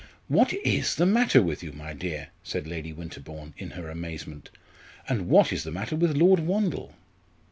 "What is the matter with you, my dear?" said Lady Winterbourne in her amazement; "and what is the matter with Lord Wandle?"